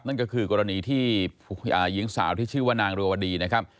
นั่นก็คือกรณีที่หญิงสาวที่ชื่อว่านางรัวดีนะครับ